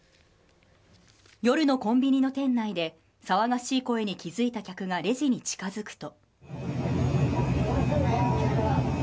夜のコンビニの店内で騒がしい声に気付いた客がレジに近づくと。